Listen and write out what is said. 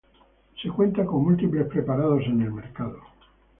Se cuenta con múltiples preparados en el mercado.